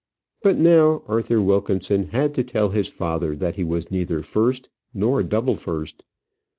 But now Arthur Wilkinson had to tell his father that he was neither first nor double first.